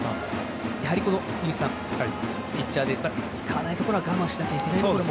ピッチャーで使わないところは我慢しないといけないと。